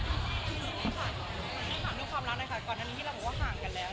ก่อนที่ถามดูความรักหน่อยค่ะก่อนที่เราบอกว่าห่างกันแล้ว